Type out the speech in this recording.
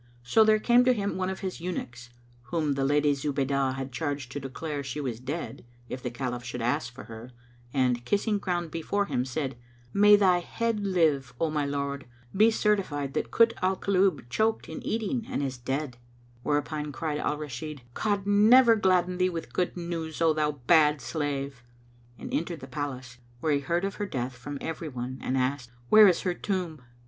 So there came to him one of his eunuchs, whom the Lady Zubaydah had charged to declare she was dead, if the Caliph should ask for her and, kissing ground before him, said, "May thy head live, O my lord! Be certified that Kut al Kulub choked in eating and is dead." Whereupon cried Al Rashid, "God never gladden thee with good news, O thou bad slave!" and entered the Palace, where he heard of her death from every one and asked, "Where is her tomb?"